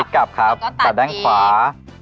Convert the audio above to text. พลิกกลับครับแล้วก็ตัดด้านขวา